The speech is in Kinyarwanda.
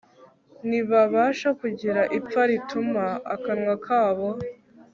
ntibabasha kugira ipfa rituma akanwa kabo